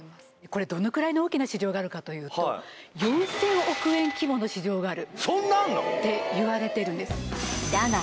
これどのぐらいの大きな市場があるかというと４０００億円規模の市場があるそんなあんの！？っていわれてるんですだが